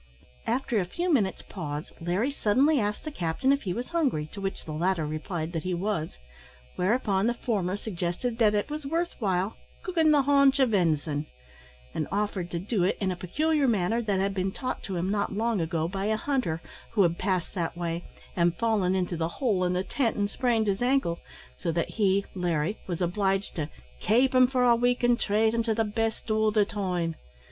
After a few minutes' pause, Larry suddenly asked the captain if he was hungry, to which the latter replied that he was; whereupon the former suggested that it was worth while "cookin' the haunch o' ven'son," and offered to do it in a peculiar manner, that had been taught to him not long ago by a hunter, who had passed that way, and fallen into the hole in the tent and sprained his ankle, so that he, (Larry), was obliged to "kape him for a week, an' trate him to the best all the time."